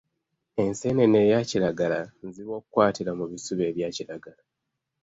Enseenene eya kiragala nzibu okukwatira mu bisubi ebya kiragala.